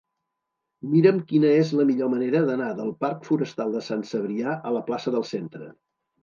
Mira'm quina és la millor manera d'anar del parc Forestal de Sant Cebrià a la plaça del Centre.